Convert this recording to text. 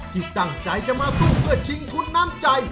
ที่ตั้งใจจะมาสู้เพื่อชิงทุนน้ำใจ